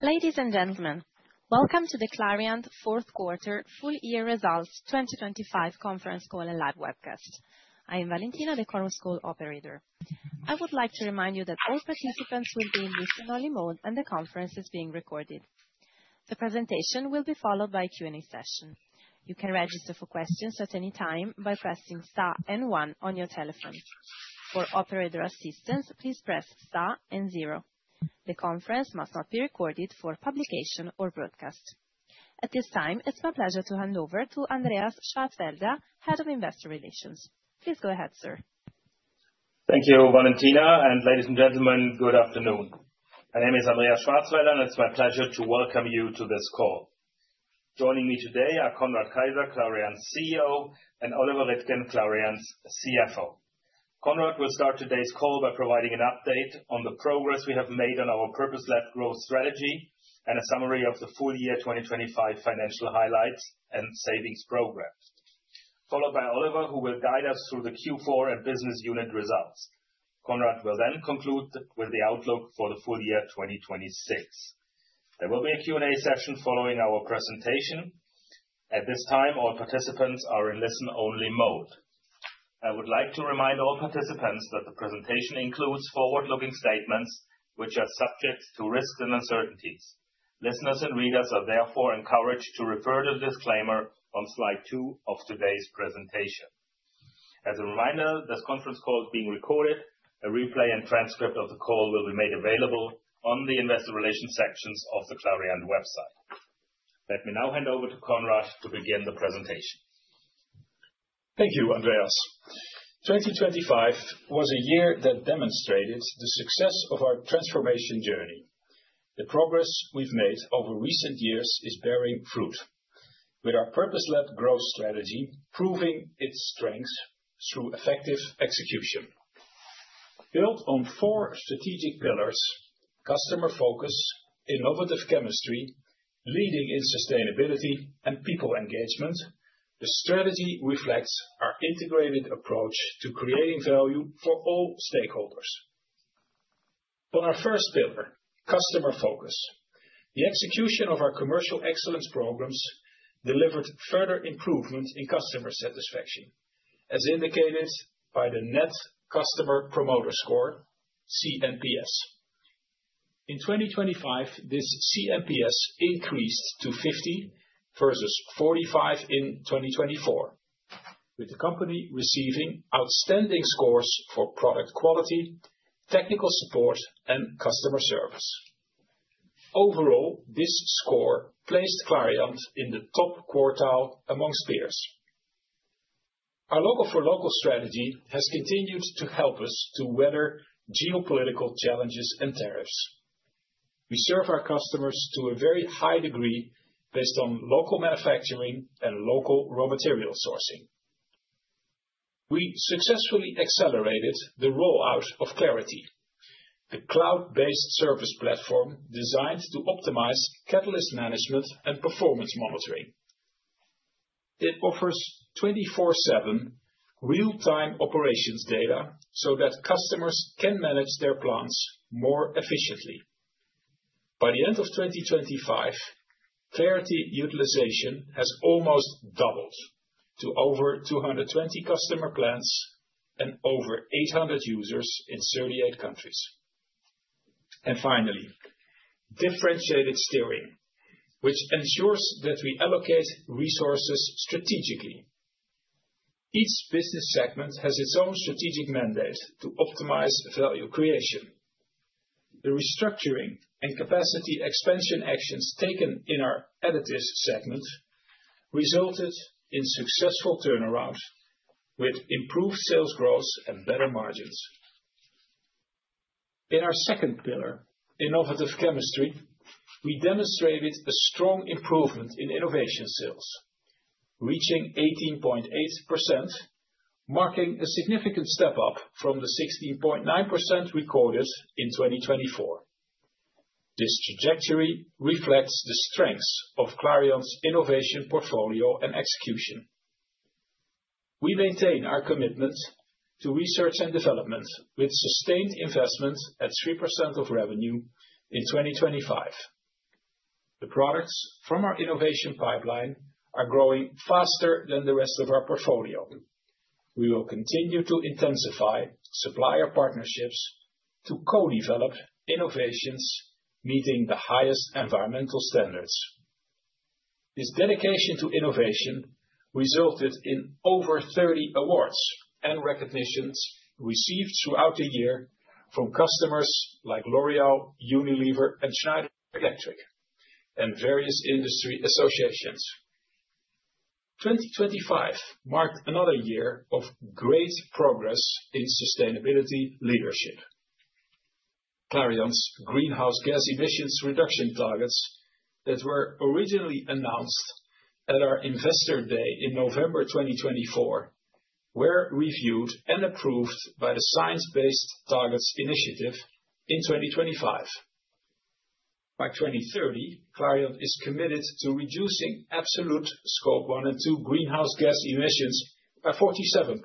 Ladies and gentlemen, welcome to the Clariant fourth quarter full year results 2025 conference call and live webcast. I am Valentina, the conference call operator. I would like to remind you that all participants will be in listen-only mode, and the conference is being recorded. The presentation will be followed by a Q&A session. You can register for questions at any time by pressing star and one on your telephone. For operator assistance, please press star and zero. The conference must not be recorded for publication or broadcast. At this time, it's my pleasure to hand over to Andreas Schwarzwälder, Head of Investor Relations. Please go ahead, sir. Thank you, Valentina. Ladies and gentlemen, good afternoon. My name is Andreas Schwarzwälder, and it's my pleasure to welcome you to this call. Joining me today are Conrad Keijzer, Clariant's CEO, and Oliver Rittgen, Clariant's CFO. Conrad will start today's call by providing an update on the progress we have made on our purpose-led growth strategy and a summary of the full year 2025 financial highlights and savings programs, followed by Oliver, who will guide us through the Q4 and business unit results. Conrad will conclude with the outlook for the full year 2026. There will be a Q&A session following our presentation. At this time, all participants are in listen-only mode. I would like to remind all participants that the presentation includes forward-looking statements, which are subject to risks and uncertainties. Listeners and readers are therefore encouraged to refer to the disclaimer on slide two of today's presentation. As a reminder, this conference call is being recorded. A replay and transcript of the call will be made available on the investor relations sections of the Clariant website. Let me now hand over to Conrad to begin the presentation. Thank you, Andreas. 2025 was a year that demonstrated the success of our transformation journey. The progress we've made over recent years is bearing fruit, with our purpose-led growth strategy proving its strength through effective execution. Built on four strategic pillars, customer focus, innovative chemistry, leading in sustainability, and people engagement, the strategy reflects our integrated approach to creating value for all stakeholders. On our first pillar, customer focus, the execution of our commercial excellence programs delivered further improvement in customer satisfaction, as indicated by the net customer promoter score, cNPS. In 2025, this cNPS increased to 50 versus 45 in 2024, with the company receiving outstanding scores for product quality, technical support, and customer service. Overall, this score placed Clariant in the top quartile amongst peers. Our local for local strategy has continued to help us to weather geopolitical challenges and tariffs. We serve our customers to a very high degree based on local manufacturing and local raw material sourcing. We successfully accelerated the rollout of CLARITY, the cloud-based service platform designed to optimize catalyst management and performance monitoring. It offers 24/7 real-time operations data so that customers can manage their plants more efficiently. By the end of 2025, CLARITY utilization has almost doubled to over 220 customer plants and over 800 users in 38 countries. Finally, differentiated steering, which ensures that we allocate resources strategically. Each business segment has its own strategic mandate to optimize value creation. The restructuring and capacity expansion actions taken in our Additives segment resulted in successful turnaround with improved sales growth and better margins. In our second pillar, innovative chemistry, we demonstrated a strong improvement in innovation sales, reaching 18.8%, marking a significant step up from the 16.9% recorded in 2024. This trajectory reflects the strengths of Clariant's innovation, portfolio, and execution. We maintain our commitment to research and development with sustained investment at 3% of revenue in 2025. The products from our innovation pipeline are growing faster than the rest of our portfolio. We will continue to intensify supplier partnerships to co-develop innovations, meeting the highest environmental standards. This dedication to innovation resulted in over 30 awards and recognitions received throughout the year from customers like L'Oréal, Unilever, and Schneider Electric, and various industry associations. 2025 marked another year of great progress in sustainability leadership. Clariant's greenhouse gas emissions reduction targets that were originally announced at our Investor Day in November 2024, were reviewed and approved by the Science Based Targets initiative in 2025. By 2030, Clariant is committed to reducing absolute Scope 1 and 2 greenhouse gas emissions by 47%,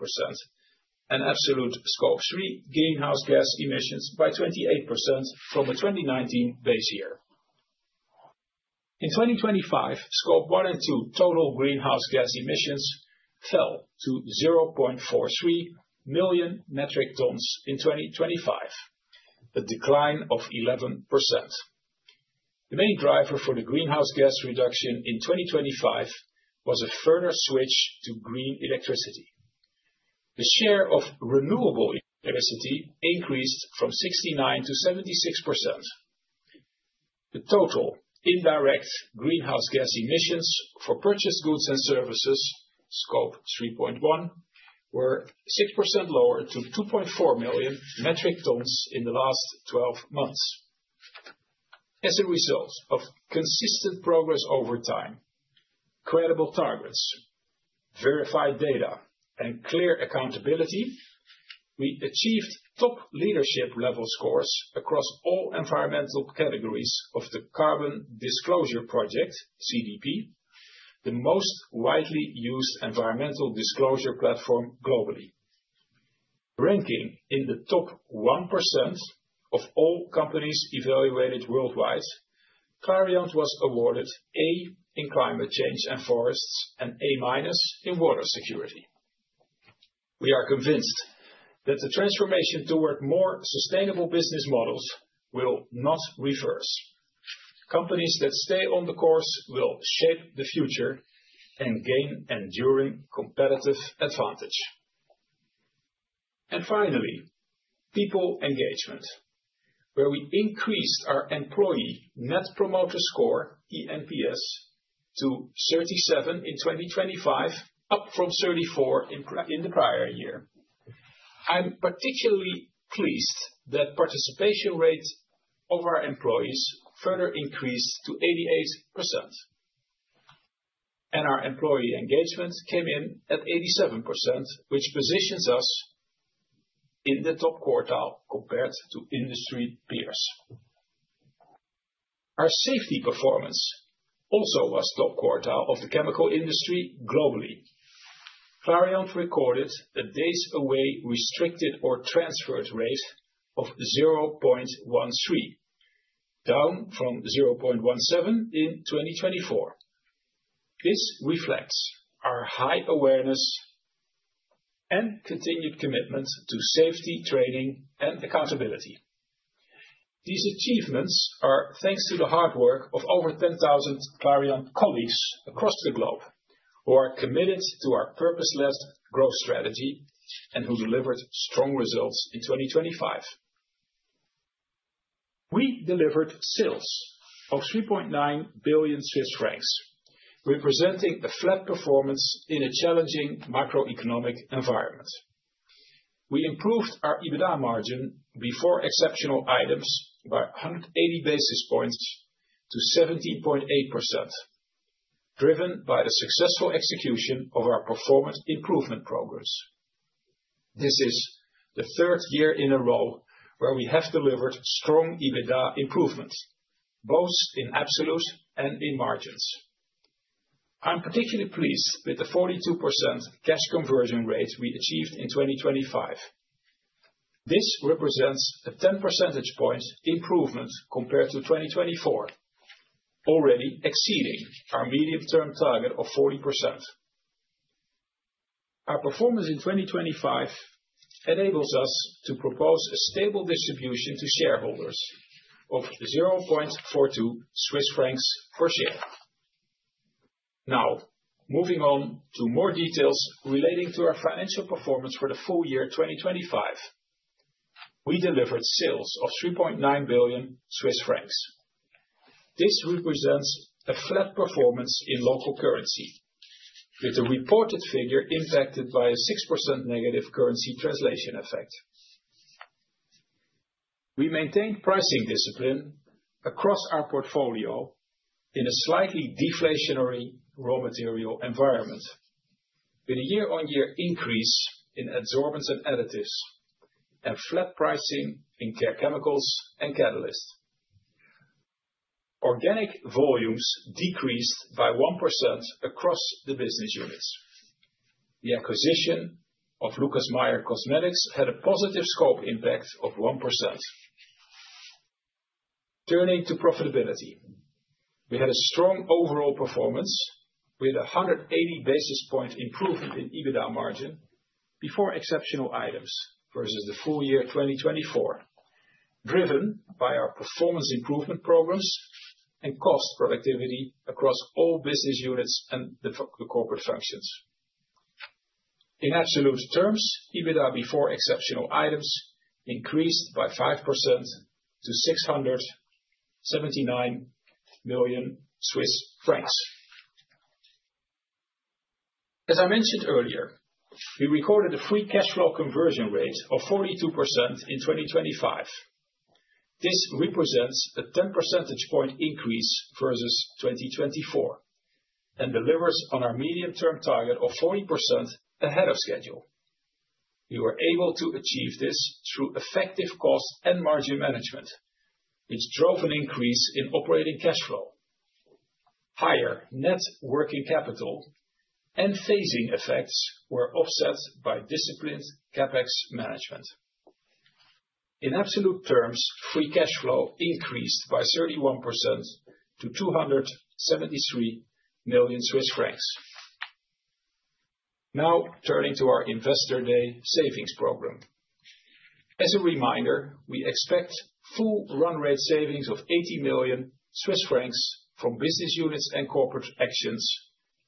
and absolute Scope 3 greenhouse gas emissions by 28% from the 2019 base year. In 2025, Scope 1 and 2 total greenhouse gas emissions fell to 0.43 million metric tons in 2025, a decline of 11%. The main driver for the greenhouse gas reduction in 2025 was a further switch to green electricity. The share of renewable electricity increased from 69% to 76%. The total indirect greenhouse gas emissions for purchased goods and services, Scope 3.1, were 6% lower to 2.4 million metric tons in the last 12 months. As a result of consistent progress over time, credible targets, verified data, and clear accountability, we achieved top leadership level scores across all environmental categories of the Carbon Disclosure Project, CDP, the most widely used environmental disclosure platform globally. Ranking in the top 1% of all companies evaluated worldwide, Clariant was awarded A in climate change and forests, and A- in water security. We are convinced that the transformation toward more sustainable business models will not reverse. Companies that stay on the course will shape the future and gain enduring competitive advantage. People engagement, where we increased our employee net promoter score, ENPS, to 37 in 2025, up from 34 in the prior year. I'm particularly pleased that participation rates of our employees further increased to 88%, and our employee engagement came in at 87%, which positions us in the top quartile compared to industry peers. Our safety performance also was top quartile of the chemical industry globally. Clariant recorded the days away, restricted, or transferred rate of 0.13, down from 0.17 in 2024. This reflects our high awareness and continued commitment to safety, training, and accountability. These achievements are thanks to the hard work of over 10,000 Clariant colleagues across the globe, who are committed to our purpose-led growth strategy and who delivered strong results in 2025. We delivered sales of 3.9 billion Swiss francs, representing a flat performance in a challenging macroeconomic environment. We improved our EBITDA margin before exceptional items by 180 basis points to 17.8%, driven by the successful execution of our performance improvement progress. This is the third year in a row where we have delivered strong EBITDA improvements, both in absolute and in margins. I'm particularly pleased with the 42% cash conversion rate we achieved in 2025. This represents a 10 percentage point improvement compared to 2024, already exceeding our medium-term target of 40%. Our performance in 2025 enables us to propose a stable distribution to shareholders of 0.42 Swiss francs per share. Moving on to more details relating to our financial performance for the full year 2025. We delivered sales of 3.9 billion Swiss francs. This represents a flat performance in local currency, with a reported figure impacted by a 6% negative currency translation effect. We maintained pricing discipline across our portfolio in a slightly deflationary raw material environment, with a year-on-year increase in Adsorbents & Additives, and flat pricing in Care Chemicals and Catalysts. Organic volumes decreased by 1% across the business units. The acquisition of Lucas Meyer Cosmetics had a positive scope impact of 1%. Turning to profitability. We had a strong overall performance with a 180 basis point improvement in EBITDA margin before exceptional items versus the full year 2024, driven by our performance improvement programs and cost productivity across all business units and the corporate functions. In absolute terms, EBITDA before exceptional items increased by 5% to 679 million Swiss francs. As I mentioned earlier, we recorded a free cash flow conversion rate of 42% in 2025. This represents a 10 percentage point increase versus 2024, and delivers on our medium-term target of 40% ahead of schedule. We were able to achieve this through effective cost and margin management, which drove an increase in operating cash flow. Higher net working capital and phasing effects were offset by disciplined CapEx management. In absolute terms, free cash flow increased by 31% to 273 million Swiss francs. Turning to our Investor Day savings program. As a reminder, we expect full run rate savings of 80 million Swiss francs from business units and corporate actions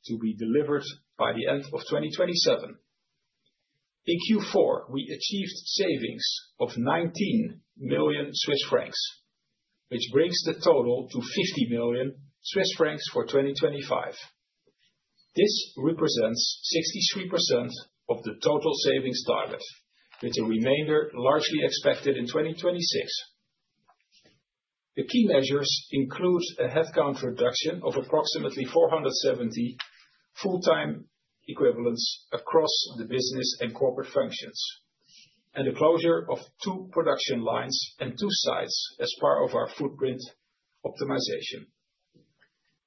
to be delivered by the end of 2027. In Q4, we achieved savings of 19 million Swiss francs, which brings the total to 50 million Swiss francs for 2025. This represents 63% of the total savings target, with the remainder largely expected in 2026. The key measures includes a headcount reduction of approximately 470 full-time equivalents across the business and corporate functions, and the closure of two production lines and two sites as part of our footprint optimization.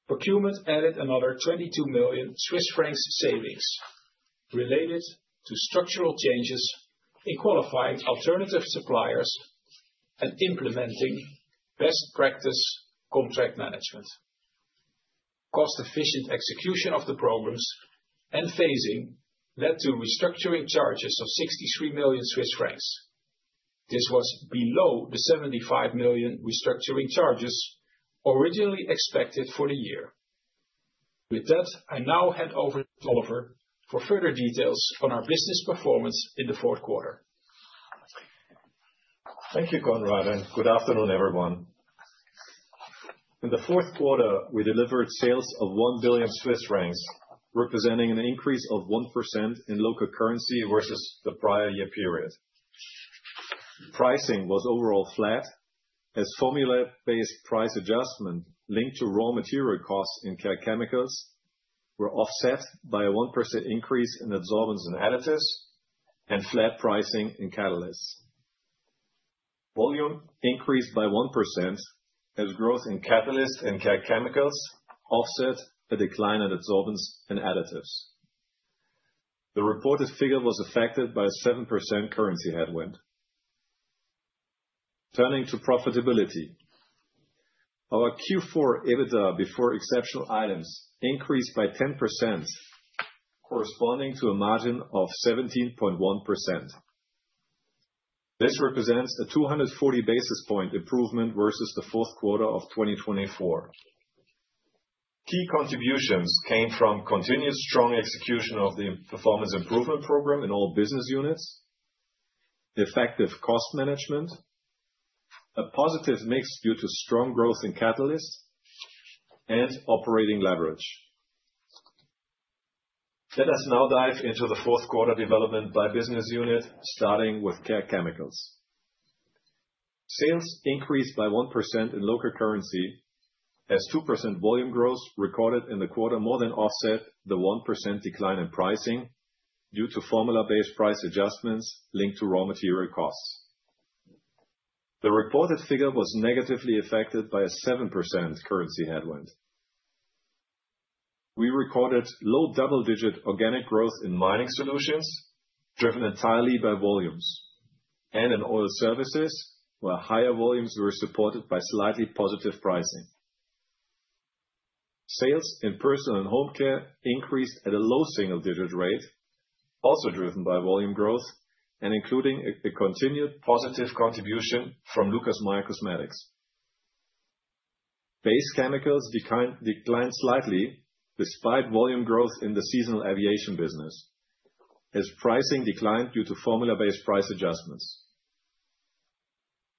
Procurement added another 22 million Swiss francs savings related to structural changes in qualifying alternative suppliers and implementing best practice contract management. Cost-efficient execution of the programs and phasing led to restructuring charges of 63 million Swiss francs. This was below the 75 million restructuring charges originally expected for the year. With that, I now hand over to Oliver for further details on our business performance in the fourth quarter. Thank you, Conrad, and good afternoon, everyone. In the fourth quarter, we delivered sales of 1 billion Swiss francs, representing an increase of 1% in local currency versus the prior year period. Pricing was overall flat, as formula-based price adjustment linked to raw material costs in Care Chemicals were offset by a 1% increase in Adsorbents & Additives, and flat pricing in Catalysts. Volume increased by 1%, as growth in Catalysts and Care Chemicals offset a decline in Adsorbents & Additives. The reported figure was affected by a 7% currency headwind. Turning to profitability, our Q4 EBITDA before exceptional items increased by 10%, corresponding to a margin of 17.1%. This represents a 240 basis point improvement versus the fourth quarter of 2024. Key contributions came from continuous strong execution of the performance improvement program in all business units, effective cost management, a positive mix due to strong growth in Catalysts, and operating leverage. Let us now dive into the fourth quarter development by business unit, starting with Care Chemicals. Sales increased by 1% in local currency, as 2% volume growth recorded in the quarter more than offset the 1% decline in pricing due to formula-based price adjustments linked to raw material costs. The reported figure was negatively affected by a 7% currency headwind. We recorded low double-digit organic growth in mining solutions, driven entirely by volumes, and in oil services, where higher volumes were supported by slightly positive pricing. Sales in personal and home care increased at a low single-digit rate, also driven by volume growth and including a continued positive contribution from Lucas Meyer Cosmetics. Base chemicals declined slightly despite volume growth in the seasonal Aviation business, as pricing declined due to formula-based price adjustments.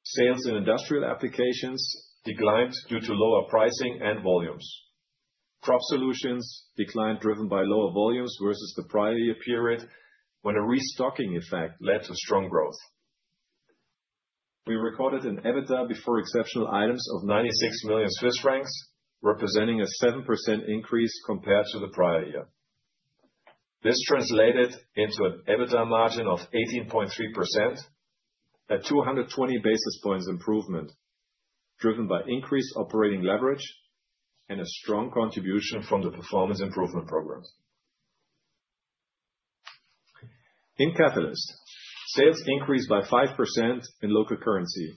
Sales in industrial applications declined due to lower pricing and volumes. Crop solutions declined, driven by lower volumes versus the prior year period, when a restocking effect led to strong growth. We recorded an EBITDA before exceptional items of 96 million Swiss francs, representing a 7% increase compared to the prior year. This translated into an EBITDA margin of 18.3%, a 220 basis points improvement, driven by increased operating leverage and a strong contribution from the performance improvement program. In Catalysts, sales increased by 5% in local currency,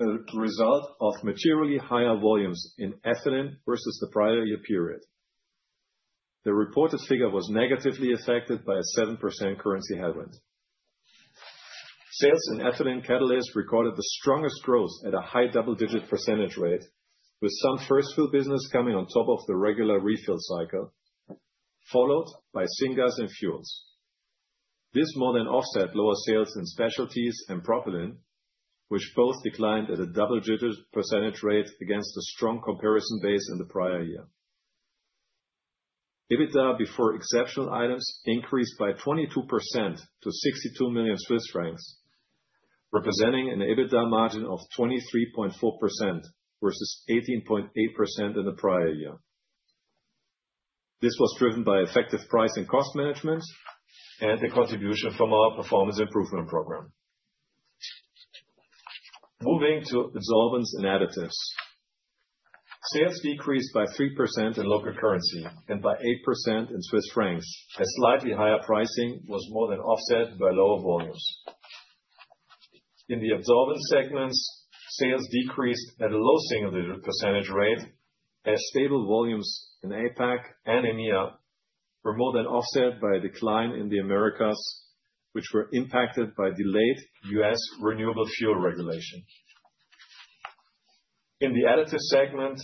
a result of materially higher volumes in ethylene versus the prior year period. The reported figure was negatively affected by a 7% currency headwind. Sales in ethylene catalyst recorded the strongest growth at a high double-digit percentage rate, with some first fill business coming on top of the regular refill cycle, followed by syngas and fuels. This more than offset lower sales in specialties and propylene, which both declined at a double-digit percentage rate against a strong comparison base in the prior year. EBITDA before exceptional items increased by 22% to 62 million Swiss francs, representing an EBITDA margin of 23.4% versus 18.8% in the prior year. This was driven by effective price and cost management and the contribution from our performance improvement program. Moving to Adsorbents & Additives. Sales decreased by 3% in local currency and by 8% in Swiss francs, as slightly higher pricing was more than offset by lower volumes. In the absorbance segments, sales decreased at a low single percentage rate, as stable volumes in APAC and EMEA were more than offset by a decline in the Americas, which were impacted by delayed US renewable fuel regulation. In the additive segment,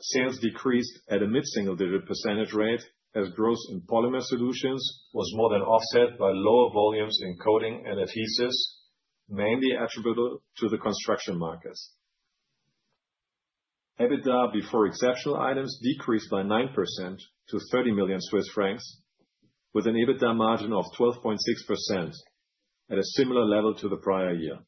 sales decreased at a mid-single digit percentage rate, as growth in polymer solutions was more than offset by lower volumes in coating and adhesives, mainly attributable to the construction markets. EBITDA before exceptional items decreased by 9% to 30 million Swiss francs, with an EBITDA margin of 12.6% at a similar level to the prior year.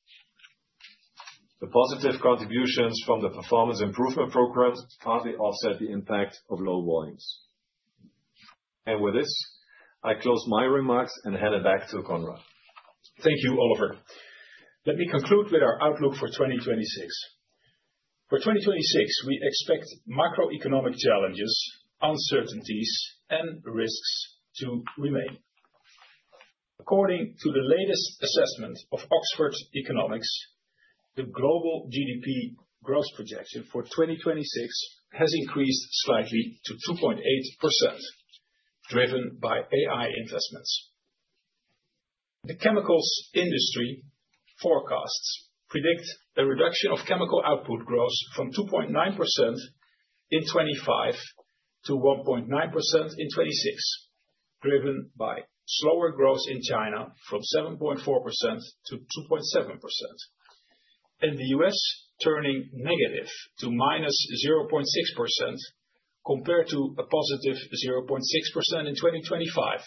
The positive contributions from the performance improvement program partly offset the impact of low volumes. With this, I close my remarks and hand it back to Conrad. Thank you, Oliver. Let me conclude with our outlook for 2026. For 2026, we expect macroeconomic challenges, uncertainties, and risks to remain. According to the latest assessment of Oxford Economics, the global GDP growth projection for 2026 has increased slightly to 2.8%, driven by AI investments. The chemicals industry forecasts predict a reduction of chemical output growth from 2.9% in 2025 to 1.9% in 2026, driven by slower growth in China from 7.4% to 2.7%. In the U.S., turning negative to -0.6% compared to a +0.6% in 2025,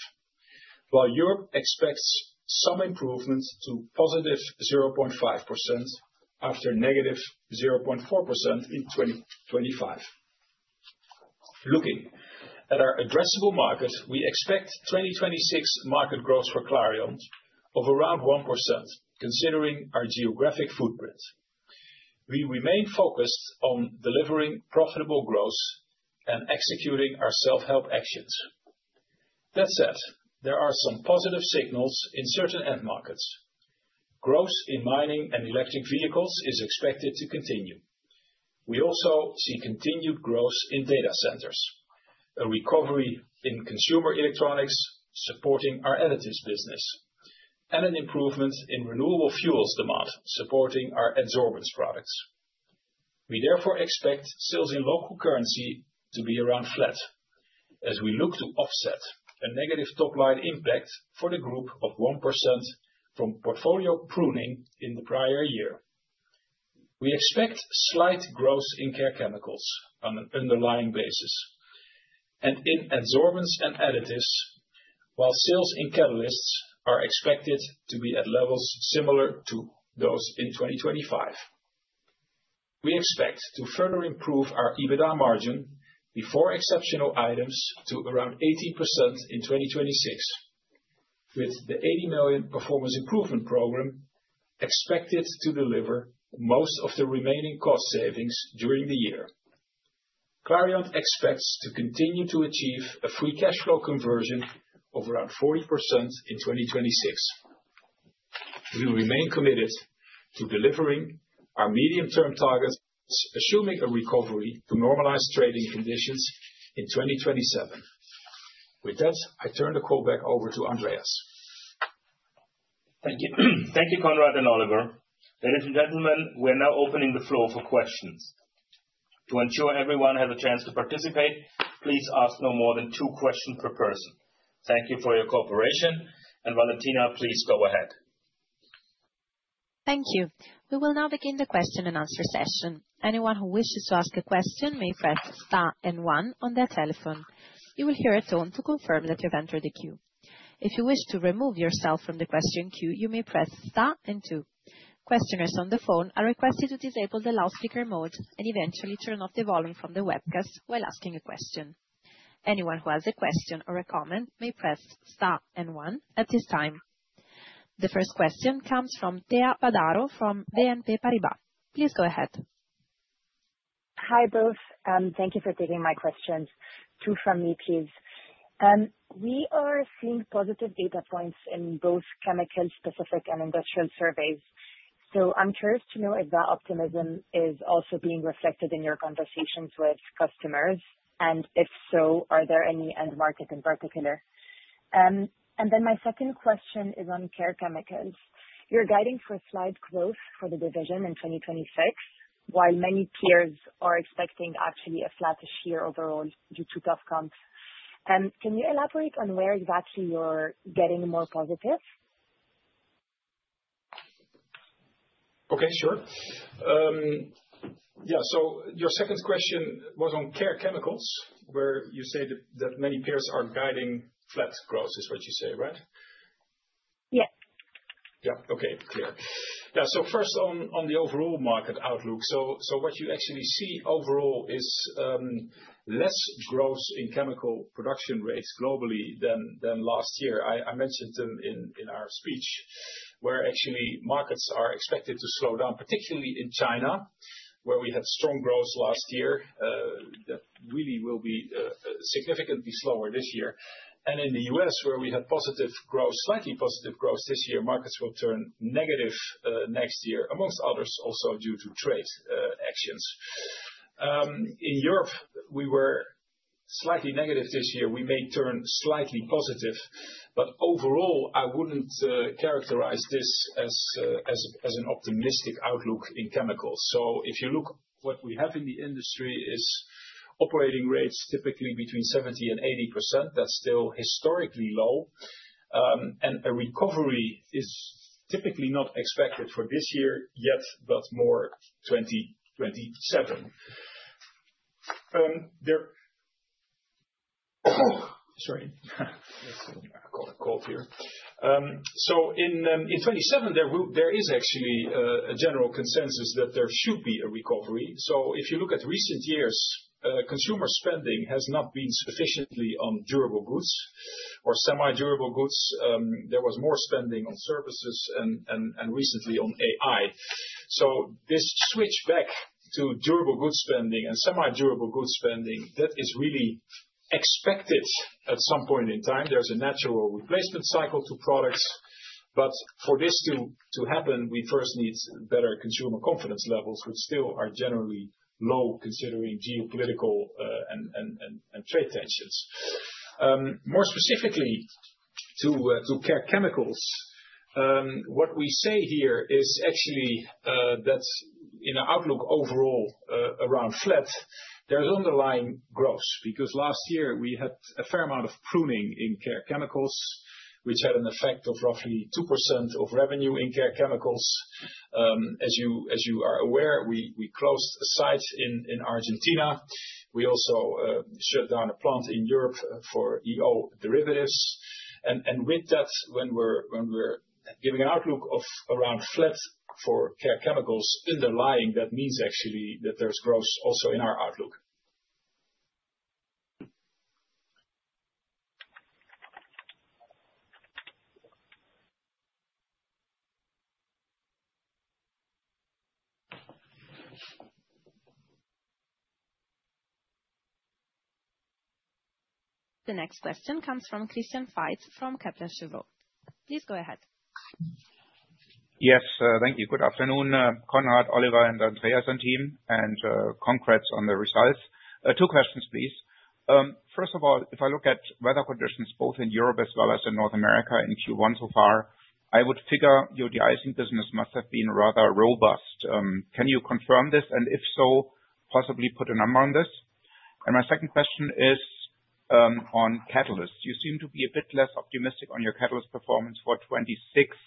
while Europe expects some improvement to +0.5% after -0.4% in 2025. Looking at our addressable market, we expect 2026 market growth for Clariant of around 1%, considering our geographic footprint. We remain focused on delivering profitable growth and executing our self-help actions. That said, there are some positive signals in certain end markets. Growth in mining and electric vehicles is expected to continue. We also see continued growth in data centers, a recovery in consumer electronics, supporting our Additives business, and an improvement in renewable fuels demand, supporting our Adsorbents products. We therefore expect sales in local currency to be around flat as we look to offset a negative top line impact for the group of 1% from portfolio pruning in the prior year. We expect slight growth in Care Chemicals on an underlying basis, and in Adsorbents & Additives, while sales in Catalysts are expected to be at levels similar to those in 2025. We expect to further improve our EBITDA margin before exceptional items to around 80% in 2026, with the 80 million performance improvement program expected to deliver most of the remaining cost savings during the year. Clariant expects to continue to achieve a free cash flow conversion of around 40% in 2026. We remain committed to delivering our medium-term targets, assuming a recovery to normalized trading conditions in 2027. I turn the call back over to Andreas. Thank you. Thank you, Conrad and Oliver. Ladies and gentlemen, we're now opening the floor for questions. To ensure everyone has a chance to participate, please ask no more than two questions per person. Thank you for your cooperation. Valentina, please go ahead. Thank you. We will now begin the question and answer session. Anyone who wishes to ask a question may press star and one on their telephone. You will hear a tone to confirm that you've entered the queue. If you wish to remove yourself from the question queue, you may press star and two. Questioners on the phone are requested to disable the loudspeaker mode and eventually turn off the volume from the webcast while asking a question. Anyone who has a question or a comment may press star and one at this time. The first question comes from Thea Badaro from BNP Paribas. Please go ahead. Hi, both. Thank you for taking my questions. Two from me, please. We are seeing positive data points in both chemical-specific and industrial surveys, so I'm curious to know if that optimism is also being reflected in your conversations with customers, and if so, are there any end markets in particular? And then my second question is on Care Chemicals. You're guiding for a slight growth for the division in 2026, while many peers are expecting actually a flattish year overall due to tough comps. Can you elaborate on where exactly you're getting more positive? Okay, sure. Yeah, your second question was on Care Chemicals, where you said that many peers are guiding flat growth, is what you say, right? Yeah. Okay, clear. First on the overall market outlook. What you actually see overall is less growth in chemical production rates globally than last year. I mentioned them in our speech, where actually markets are expected to slow down, particularly in China, where we had strong growth last year. That really will be significantly slower this year. In the U.S., where we had positive growth, slightly positive growth this year, markets will turn negative next year, amongst others, also due to trade actions. In Europe, we were slightly negative this year, we may turn slightly positive, but overall, I wouldn't characterize this as an optimistic outlook in chemicals. If you look, what we have in the industry is operating rates, typically between 70% and 80%. That's still historically low. A recovery is typically not expected for this year yet, but more 2027. There, sorry, I've got a cold here. In 2027, there is actually a general consensus that there should be a recovery. If you look at recent years, consumer spending has not been sufficiently on durable goods or semi-durable goods. There was more spending on services and recently on AI. This switch back to durable goods spending and semi-durable goods spending, that is really expected at some point in time. There's a natural replacement cycle to products, but for this to happen, we first need better consumer confidence levels, which still are generally low, considering geopolitical and trade tensions. More specifically, to Care Chemicals, what we say here is actually that in our outlook overall, around flat, there's underlying growth, because last year we had a fair amount of pruning in Care Chemicals, which had an effect of roughly 2% of revenue in Care Chemicals. As you are aware, we closed a site in Argentina. We also shut down a plant in Europe for EO derivatives. With that, when we're giving an outlook of around flat for Care Chemicals, underlying, that means actually that there's growth also in our outlook. The next question comes from Christian Faitz from Kepler Cheuvreux. Please go ahead. Yes, thank you. Good afternoon, Conrad, Oliver, and Andreas, and team, congrats on the results. Two questions, please. First of all, if I look at weather conditions, both in Europe as well as in North America in Q1 so far, I would figure your de-icing business must have been rather robust. Can you confirm this? If so, possibly put a number on this. My second question is on Catalysts. You seem to be a bit less optimistic on your catalyst performance for 2026,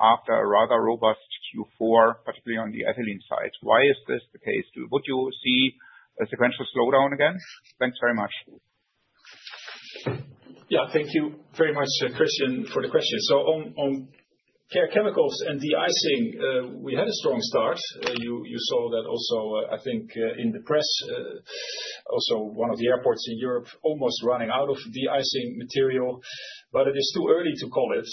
after a rather robust Q4, particularly on the ethylene side. Why is this the case? Would you see a sequential slowdown again? Thanks very much. Thank you very much, Christian, for the question. On Care Chemicals and de-icing, we had a strong start. You saw that also, I think, in the press, also one of the airports in Europe almost running out of de-icing material, but it is too early to call it.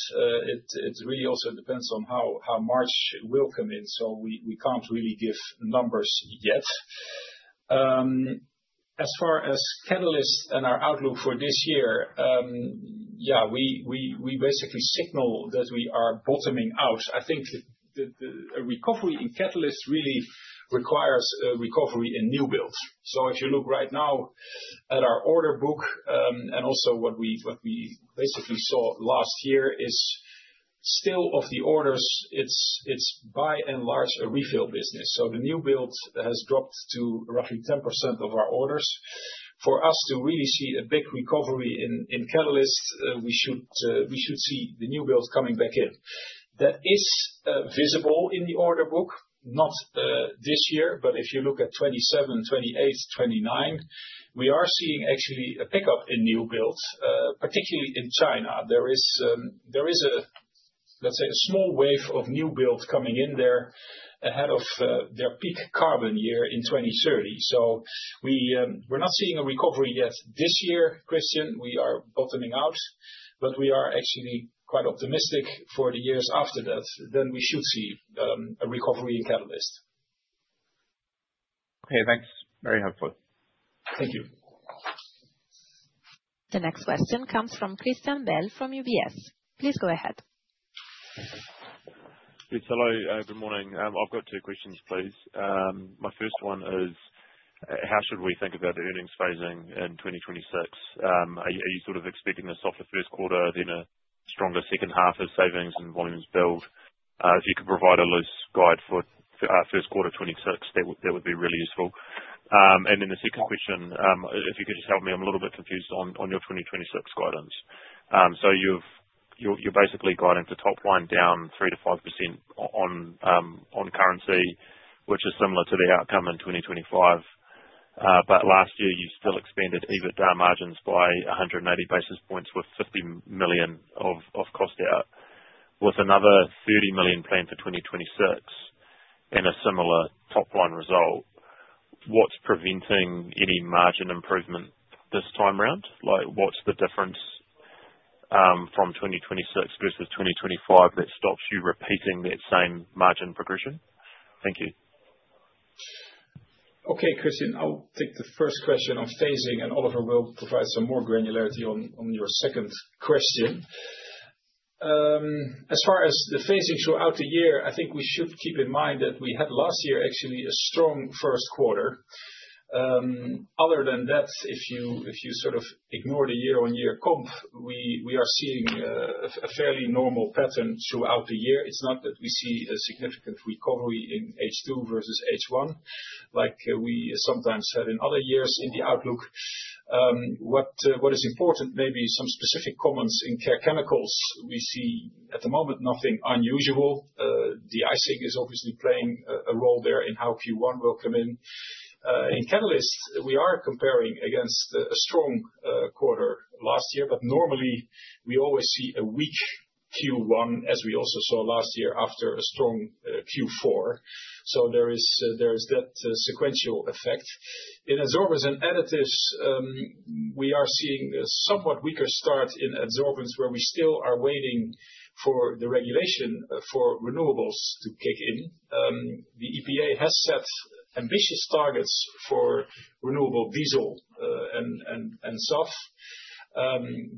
It really also depends on how March will come in, so we can't really give numbers yet. As far as Catalysts and our outlook for this year, we basically signal that we are bottoming out. I think a recovery in Catalysts really requires a recovery in new builds. If you look right now at our order book, and also what we basically saw last year, is still of the orders, it's by and large a refill business. The new build has dropped to roughly 10% of our orders. For us to really see a big recovery in catalysts, we should see the new builds coming back in. That is visible in the order book, not this year, but if you look at 2027, 2028, 2029, we are seeing actually a pickup in new builds, particularly in China. There is a, let's say, a small wave of new builds coming in there ahead of, their peak carbon year in 2030. We're not seeing a recovery yet this year, Christian. We are bottoming out. We are actually quite optimistic for the years after that. We should see a recovery in Catalysts. Okay, thanks, very helpful. Thank you. The next question comes from Christian Bell, from UBS. Please go ahead. Hello, good morning. I've got two questions, please. My first one is, how should we think about the earnings phasing in 2026? Are you sort of expecting a softer first quarter, then a stronger second half as savings and volumes build? If you could provide a loose guide for first quarter 2026, that would be really useful. The second question, if you could just help me, I'm a little bit confused on your 2026 guidance. You're basically guiding the top line down 3%-5% on currency, which is similar to the outcome in 2025. Last year, you still expanded EBITDA margins by 180 basis points, with 50 million of cost out. With another 30 million planned for 2026, and a similar top line result, what's preventing any margin improvement this time around? Like, what's the difference from 2026 versus 2025 that stops you repeating that same margin progression? Thank you. Okay, Christian, I'll take the first question on phasing. Oliver will provide some more granularity on your second question. As far as the phasing throughout the year, I think we should keep in mind that we had last year, actually, a strong first quarter. Other than that, if you sort of ignore the year-on-year comp, we are seeing a fairly normal pattern throughout the year. It's not that we see a significant recovery in H2 versus H1, like we sometimes had in other years in the outlook. What is important may be some specific comments in Care Chemicals. We see, at the moment, nothing unusual. De-icing is obviously playing a role there in how Q1 will come in. In Catalysts, we are comparing against a strong quarter last year, but normally, we always see a weak Q1, as we also saw last year, after a strong Q4. There is that sequential effect. In Adsorbents & Additives, we are seeing a somewhat weaker start in Adsorbents, where we still are waiting for the regulation for renewables to kick in. The EPA has set ambitious targets for renewable diesel and SAF,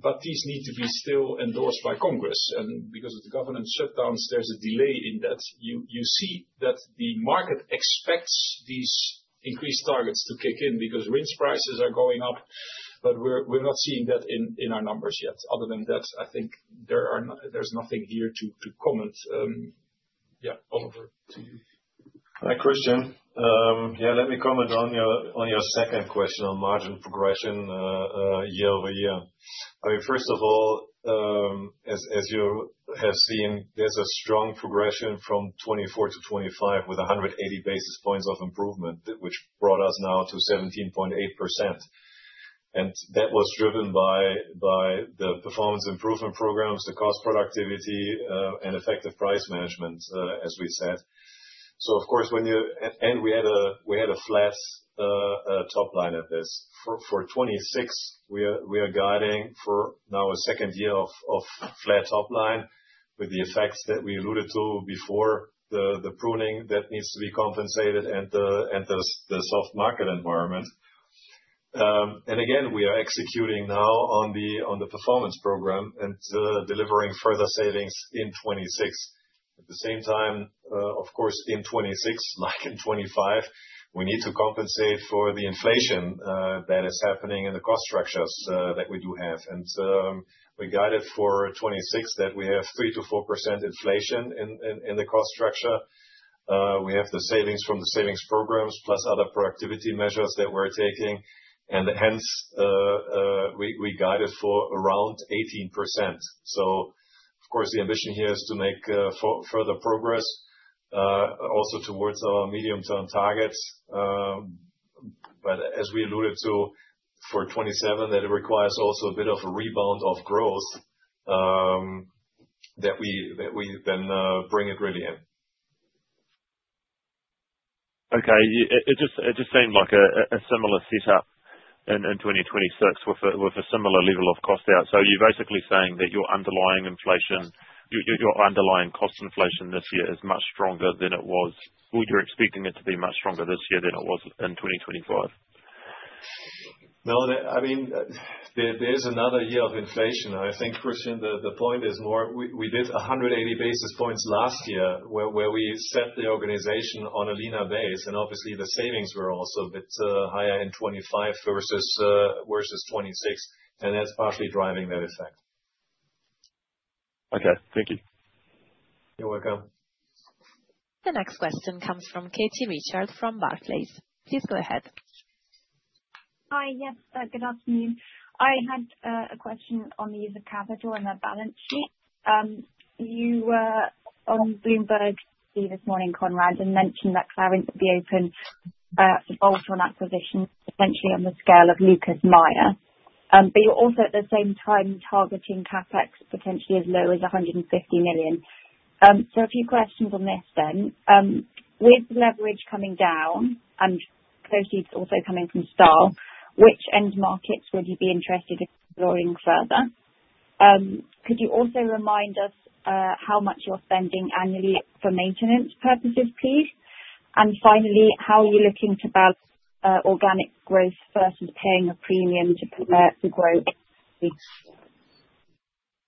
but these need to be still endorsed by Congress, and because of the government shutdowns, there's a delay in that. You see that the market expects these increased targets to kick in, because RIN prices are going up, but we're not seeing that in our numbers yet. Other than that, I think there's nothing here to comment. Yeah, Oliver, to you. Hi, Christian. Let me comment on your second question on margin progression year-over-year. I mean, first of all, as you have seen, there's a strong progression from 2024 to 2025, with 180 basis points of improvement, which brought us now to 17.8%. That was driven by the performance improvement programs, the cost productivity, and effective price management, as we said. Of course, and we had a flat top line at this. For 2026, we are guiding for now a second year of flat top line, with the effects that we alluded to before, the pruning that needs to be compensated and the soft market environment. Again, we are executing now on the performance program, delivering further savings in 2026. At the same time, of course, in 2026, like in 2025, we need to compensate for the inflation that is happening in the cost structures that we do have. We guided for 2026, that we have 3%-4% inflation in the cost structure. We have the savings from the savings programs, plus other productivity measures that we're taking, and hence, we guided for around 18%. Of course, the ambition here is to make further progress also towards our medium-term targets. As we alluded to for 2027, that it requires also a bit of a rebound of growth that we, that we then bring it really in. Okay. It just seemed like a similar setup in 2026, with a similar level of cost out. You're basically saying that your underlying inflation, your underlying cost inflation this year is much stronger than it was. Well, you're expecting it to be much stronger this year than it was in 2025? No, the, I mean, there is another year of inflation. I think, Christian, the point is more, we did 180 basis points last year, where we set the organization on a leaner base, and obviously the savings were also a bit higher in 2025 versus 2026, and that's partially driving that effect. Okay, thank you. You're welcome. The next question comes from Katie Richards, from Barclays. Please go ahead. Hi. Yes, good afternoon. I had a question on the use of capital and the balance sheet. You were on Bloomberg this morning, Conrad, and mentioned that Clariant would be open to bolt-on acquisitions, essentially on the scale of Lucas Meyer Cosmetics. You're also, at the same time, targeting CapEx potentially as low as 150 million. A few questions on this then. With leverage coming down and proceeds also coming from Star, which end markets would you be interested in exploring further? Could you also remind us how much you're spending annually for maintenance purposes, please? Finally, how are you looking to balance organic growth versus paying a premium to promote the growth?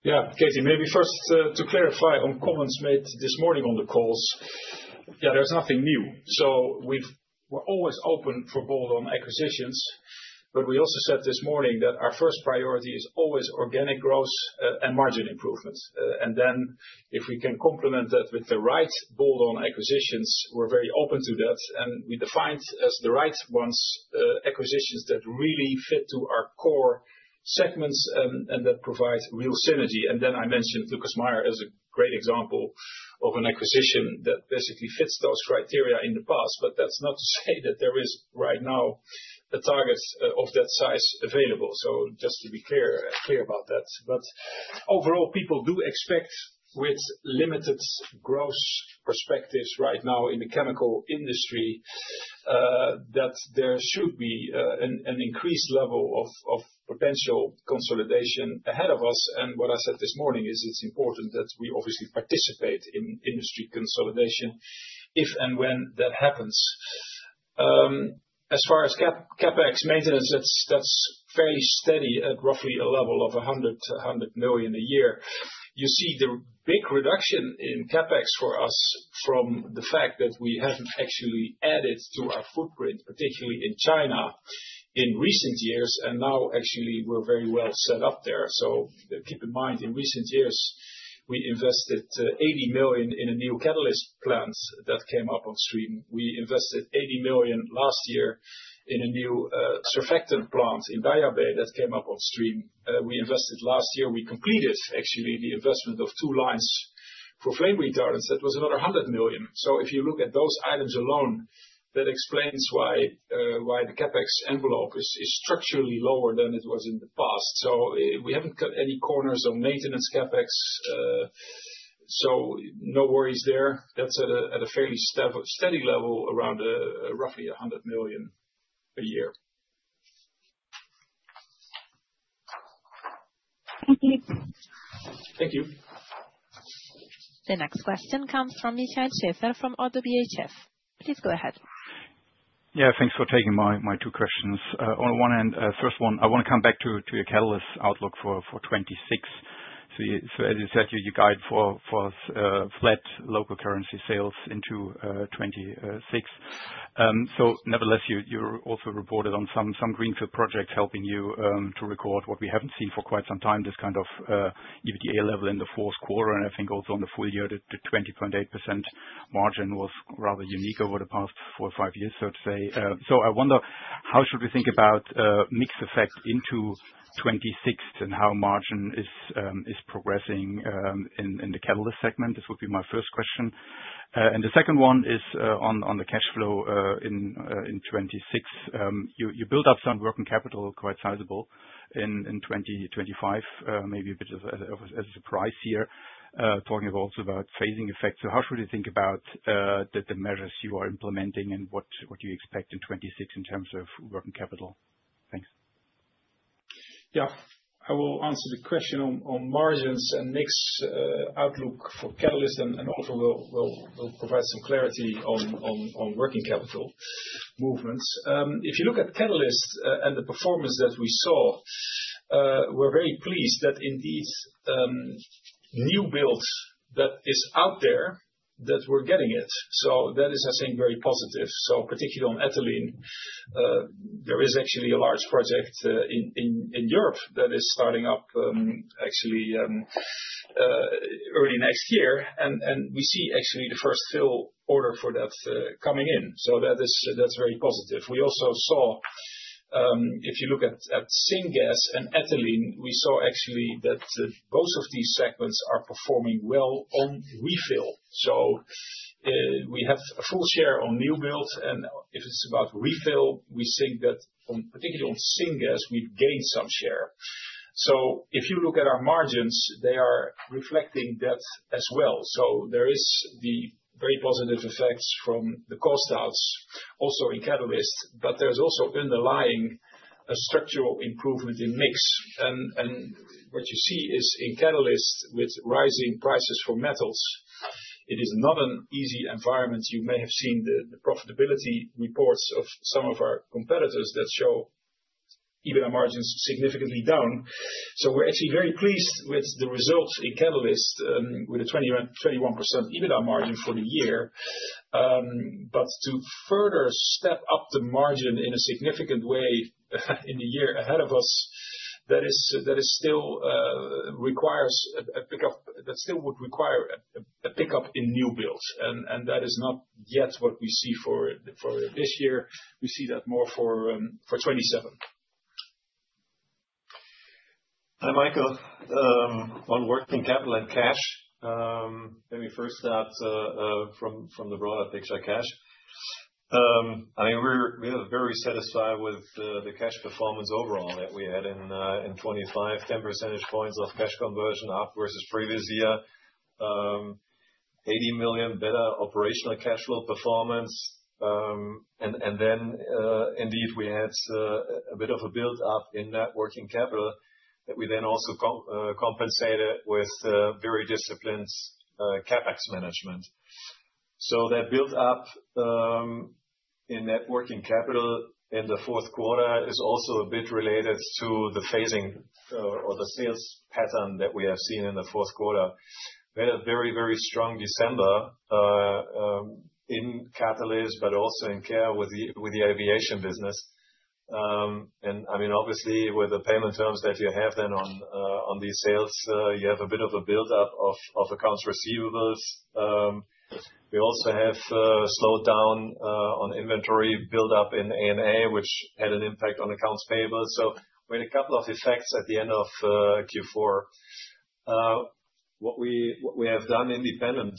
Yeah, Katie, maybe first, to clarify on comments made this morning on the calls. Yeah, there's nothing new. We're always open for bolt-on acquisitions, but we also said this morning that our first priority is always organic growth, and margin improvement. Then, if we can complement that with the right bolt-on acquisitions, we're very open to that, and we defined as the right ones, acquisitions that really fit to our core segments, and that provide real synergy. Then I mentioned Lucas Meyer as a great example of an acquisition that basically fits those criteria in the past, but that's not to say that there is, right now, a target, of that size available. Just to be clear about that. Overall, people do expect, with limited growth perspectives right now in the chemical industry, that there should be an increased level of potential consolidation ahead of us. What I said this morning is it's important that we obviously participate in industry consolidation, if and when that happens. As far as CapEx maintenance, that's fairly steady at roughly a level of 100 million a year. You see the big reduction in CapEx for us from the fact that we haven't actually added to our footprint, particularly in China, in recent years, and now actually we're very well set up there. Keep in mind, in recent years, we invested 80 million in a new catalyst plant that came up on stream. We invested 80 million last year in a new surfactant plant in Daya Bay that came up on stream. We invested last year, we completed actually the investment of two lines for flame retardants. That was another 100 million. If you look at those items alone, that explains why the CapEx envelope is structurally lower than it was in the past. We haven't cut any corners on maintenance CapEx, so no worries there. That's at a fairly steady level, around roughly 100 million a year. Thank you. Thank you. The next question comes from Michael Schaefer from Oddo BHF. Please go ahead. Yeah, thanks for taking my two questions. On one end, first one, I wanna come back to your Catalysts outlook for 2026. As you said, you guide for flat local currency sales into 2026. Nevertheless, you also reported on some greenfield projects helping you to record what we haven't seen for quite some time, this kind of EBITDA level in the fourth quarter, and I think also on the full year, the 20.8% margin was rather unique over the past four or five years, so to say. I wonder, how should we think about mix effect into 2026, and how margin is progressing in the Catalysts segment? This would be my first question. on the cash flow in 2026. You built up some working capital, quite sizable, in 2025, maybe a bit of a surprise here, talking also about phasing effects. How should we think about the measures you are implementing, and what do you expect in 2026 in terms of working capital? Thanks Yeah. I will answer the question on margins and mix outlook for Catalysts and also we'll provide some clarity on working capital movements. If you look at Catalysts and the performance that we saw, we're very pleased that in these new builds that is out there, that we're getting it. That is, I think, very positive. Particularly on ethylene, there is actually a large project in Europe that is starting up early next year. We see actually the first sale order for that coming in. That is, that's very positive. We also saw, if you look at syngas and ethylene, we saw actually that both of these segments are performing well on refill. We have a full share on new builds, and if it's about refill, we think that particularly on syngas, we've gained some share. If you look at our margins, they are reflecting that as well. There is the very positive effects from the cost outs, also in Catalysts, but there's also underlying a structural improvement in mix. What you see is, in Catalysts, with rising prices for metals, it is not an easy environment. You may have seen the profitability reports of some of our competitors that show EBITDA margins significantly down. We're actually very pleased with the results in Catalysts, with a 21% EBITDA margin for the year. But to further step up the margin in a significant way, in the year ahead of us, that is still requires a pickup. That still would require a pickup in new builds, and that is not yet what we see for this year. We see that more for 2027. Hi, Michael. On working capital and cash, let me first start from the broader picture of cash. I mean, we are very satisfied with the cash performance overall that we had in 2025. 10 percentage points of cash conversion up versus previous year, 80 million better operational cash flow performance. Indeed, we had a bit of a build up in net working capital that we then also compensated with very disciplined CapEx management. That build up in net working capital in the fourth quarter is also a bit related to the phasing or the sales pattern that we have seen in the fourth quarter. We had a very strong December in Catalysts, but also in Care with the Aviation business. I mean, obviously, with the payment terms that you have then on these sales, you have a bit of a build up of accounts receivables. We also have slowed down on inventory build up in AMA, which had an impact on accounts payable. We had a couple of effects at the end of Q4. What we have done independent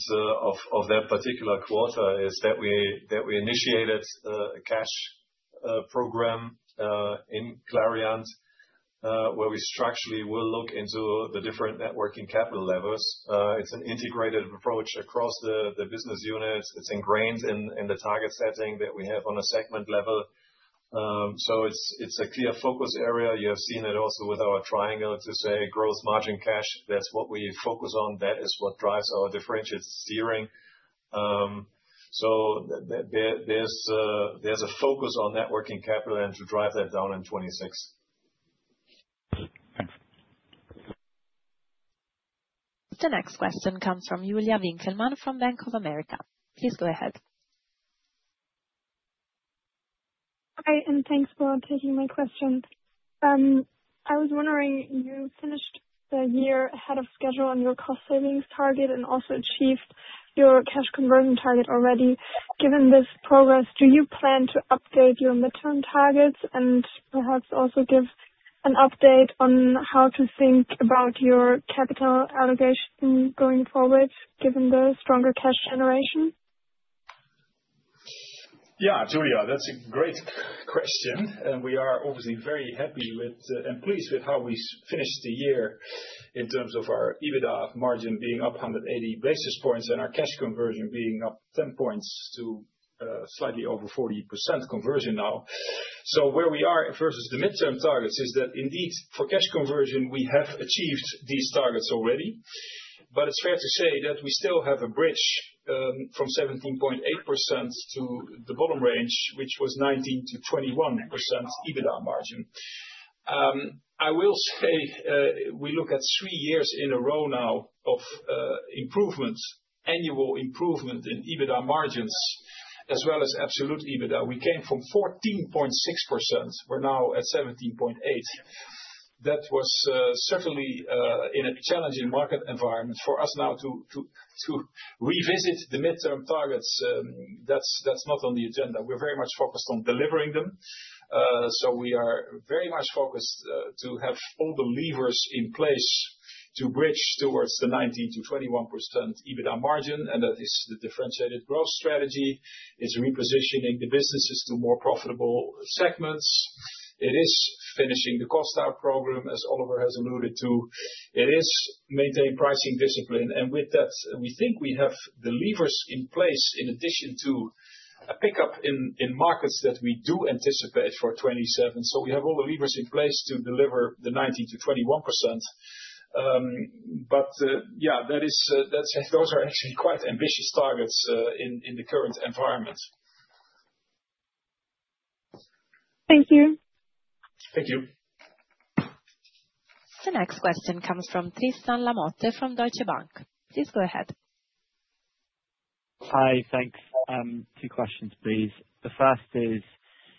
of that particular quarter is that we initiated a cash program in Clariant where we structurally will look into the different net working capital levels. It's an integrated approach across the business units. It's ingrained in the target setting that we have on a segment level. It's a clear focus area. You have seen it also with our triangle, to say, growth, margin, cash. That's what we focus on. That is what drives our differentiated steering. There's a focus on net working capital and to drive that down in 2026. The next question comes from Julia Winckelmann from Bank of America. Please go ahead. Hi. Thanks for taking my question. I was wondering, you finished the year ahead of schedule on your cost savings target and also achieved your cash conversion target already. Given this progress, do you plan to update your midterm targets and perhaps also give an update on how to think about your capital allocation going forward, given the stronger cash generation? Yeah, Julia, that's a great question, and we are obviously very happy with and pleased with how we finished the year in terms of our EBITDA margin being up 180 basis points and our cash conversion being up 10 points to slightly over 40% conversion now. Where we are versus the midterm targets is that indeed, for cash conversion, we have achieved these targets already. It's fair to say that we still have a bridge from 17.8% to the bottom range, which was 19%-21% EBITDA margin. I will say, we look at three years in a row now of improvement, annual improvement in EBITDA margins, as well as absolute EBITDA. We came from 14.6%. We're now at 17.8%. That was certainly in a challenging market environment for us now to revisit the midterm targets, that's not on the agenda. We're very much focused on delivering them. We are very much focused to have all the levers in place to bridge towards the 19%-21% EBITDA margin, that is the differentiated growth strategy. It's repositioning the businesses to more profitable segments. It is finishing the cost out program, as Oliver has alluded to. It is maintaining pricing discipline, with that, we think we have the levers in place in addition to a pickup in markets that we do anticipate for 2027. We have all the levers in place to deliver the 19%-21%. Yeah, that is, those are actually quite ambitious targets, in the current environment. Thank you. Thank you. The next question comes from Tristan Lamotte from Deutsche Bank. Please go ahead. Hi, thanks. Two questions, please. The first is,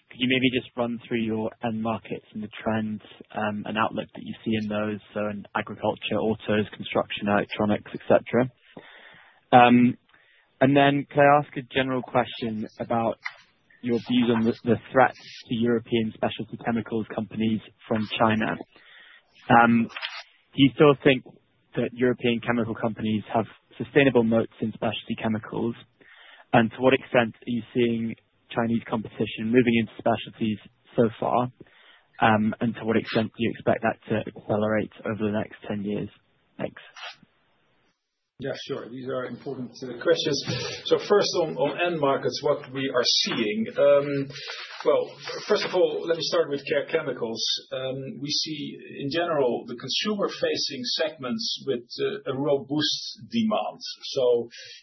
could you maybe just run through your end markets and the trends and outlook that you see in those, so in agriculture, autos, construction, electronics, et cetera? Can I ask a general question about your view on the threats to European specialty chemicals companies from China? Do you still think that European chemical companies have sustainable moats in specialty chemicals, and to what extent are you seeing Chinese competition moving into specialties so far, and to what extent do you expect that to accelerate over the next 10 years? Thanks. Yeah, sure. These are important questions. First on end markets, what we are seeing. Well, first of all, let me start with Care Chemicals. We see, in general, the consumer-facing segments with a robust demand.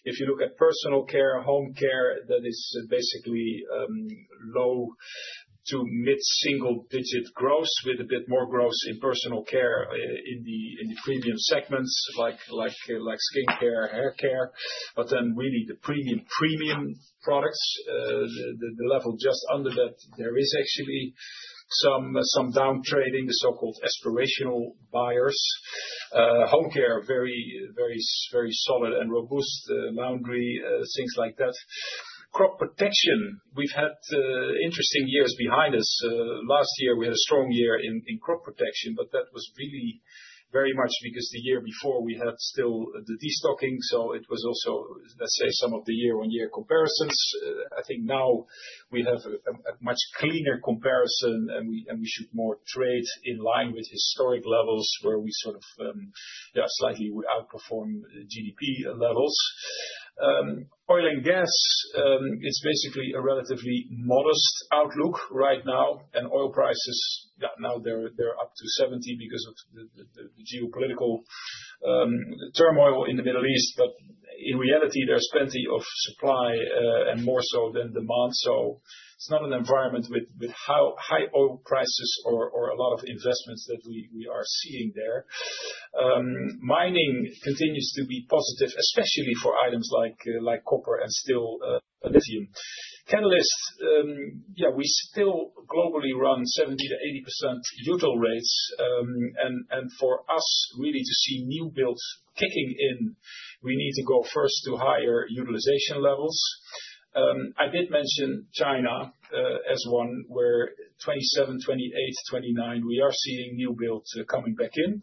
If you look at personal care, home care, that is basically low to mid-single digit growth, with a bit more growth in personal care in the premium segments, like skincare, haircare. Really the premium products, the level just under that, there is actually some downtrading, the so-called aspirational buyers. Home care, very solid and robust laundry, things like that. Crop Protection, we've had interesting years behind us. Last year, we had a strong year in Crop Protection, but that was really very much because the year before, we had still the destocking, so it was also, let's say, some of the year-on-year comparisons. I think now we have a much cleaner comparison, and we should more trade in line with historic levels, where we sort of, yeah, slightly we outperform GDP levels. Oil and gas, it's basically a relatively modest outlook right now. Oil prices, yeah, now they're up to $70 because of the geopolitical turmoil in the Middle East, but In reality, there's plenty of supply, and more so than demand, so it's not an environment with how high oil prices or a lot of investments that we are seeing there. Mining continues to be positive, especially for items like copper and steel, and lithium. Catalysts, we still globally run 70%-80% util rates. For us, really to see new builds kicking in, we need to go first to higher utilization levels. I did mention China as one, where 2027, 2028, 2029, we are seeing new builds coming back in.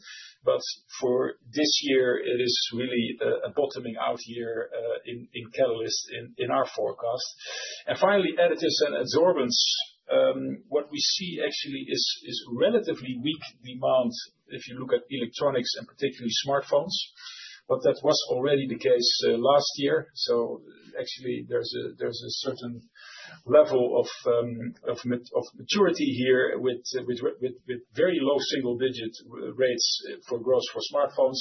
For this year, it is really a bottoming out year in Catalysts in our forecast. Finally, Additives and Adsorbents. What we see actually is relatively weak demand, if you look at electronics and particularly smartphones, but that was already the case last year. Actually, there's a certain level of maturity here, with very low single digits rates for growth for smartphones.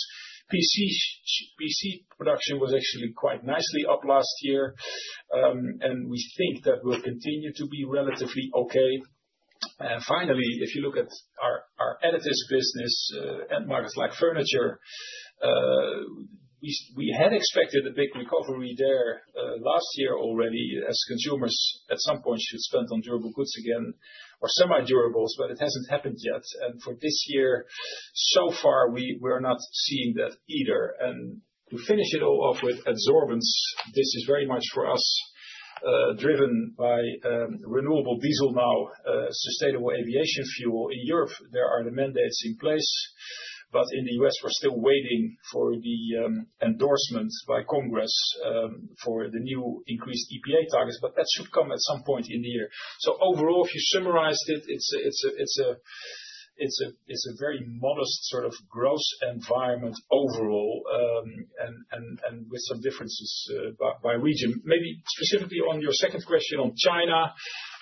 PC production was actually quite nicely up last year. We think that will continue to be relatively okay. Finally, if you look at our Additives business, and markets like furniture, we had expected a big recovery there last year already, as consumers, at some point, should spend on durable goods again, or semi-durables, but it hasn't happened yet. For this year, so far, we're not seeing that either. To finish it all off with Adsorbents, this is very much for us, driven by renewable diesel, now, sustainable Aviation fuel. In Europe, there are mandates in place, but in the U.S., we're still waiting for the endorsement by Congress for the new increased EPA targets, but that should come at some point in the year. Overall, if you summarized it's a very modest sort of growth environment overall, and with some differences by region. Maybe specifically on your second question on China,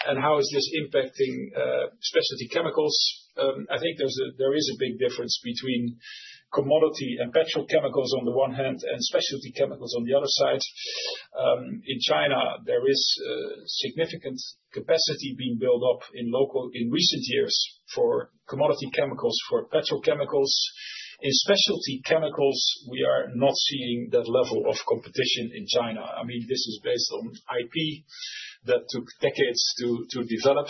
and how is this impacting specialty chemicals? I think there is a big difference between commodity and petrochemicals on the one hand, and specialty chemicals on the other side. In China, there is significant capacity being built up in recent years for commodity chemicals, for petrochemicals. In specialty chemicals, we are not seeing that level of competition in China. I mean, this is based on IP that took decades to develop.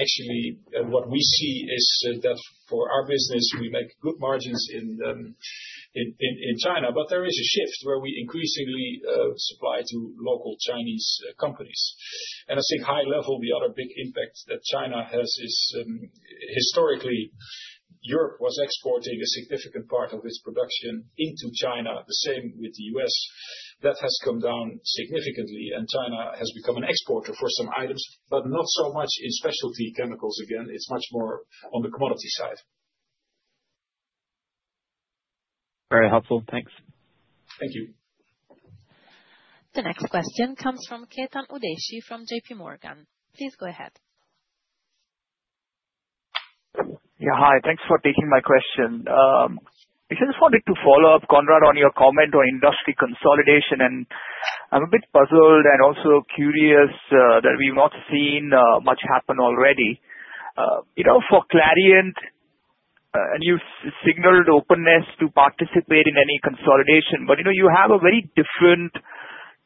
Actually, what we see is that for our business, we make good margins in China. There is a shift where we increasingly supply to local Chinese companies. I think high level, the other big impact that China has is historically, Europe was exporting a significant part of its production into China, the same with the U.S. That has come down significantly, and China has become an exporter for some items, but not so much in specialty chemicals again, it's much more on the commodity side. Very helpful. Thanks. Thank you. The next question comes from Chetan Udeshi, from JPMorgan. Please go ahead. Hi. Thanks for taking my question. I just wanted to follow up, Conrad, on your comment on industry consolidation. I'm a bit puzzled and also curious that we've not seen much happen already. You know, for Clariant, you've signaled openness to participate in any consolidation. You know, you have a very different